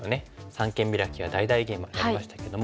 三間ビラキや大々ゲイマやりましたけども。